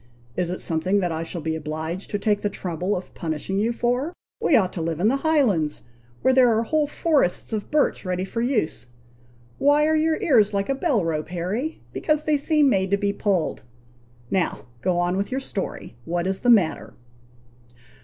"Is it something that I shall be obliged to take the trouble of punishing you for? We ought to live in the Highlands, where there are whole forests of birch ready for use? Why are your ears like a bell rope, Harry? because they seem made to be pulled. Now, go on with your story. What is the matter?"